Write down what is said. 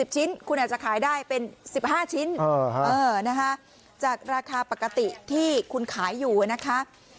ชิ้นคุณอาจจะขายได้เป็น๑๕ชิ้นจากราคาปกติที่คุณขายอยู่นะคะ